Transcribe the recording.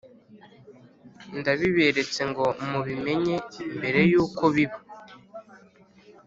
ndabiberetse ngo mubimenye mbere y’uko biba.